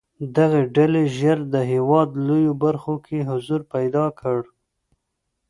دغې ډلې ژر د هېواد لویو برخو کې حضور پیدا کړ.